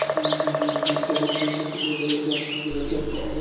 তখন সায়েম কক্ষ থেকে বাইরে আসতেই যুবক তাঁর বুকে এলোপাতাড়ি ছুরিকাঘাত করেন।